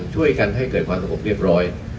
ช่วยกันให้เกิดความสงบเรียบร้อย